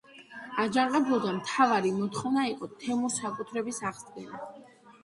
აჯანყებულთა მთავარი მოთხოვნა იყო თემური საკუთრების აღდგენა.